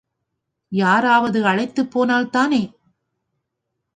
யாராவது அழைத்துப் போனால்தானே?